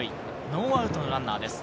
ノーアウトのランナーです。